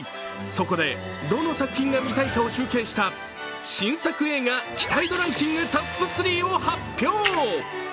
そこで、どの作品が見たいかを集計した新作映画期待度ランキングトップ３を発表。